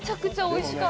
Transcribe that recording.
おいしい。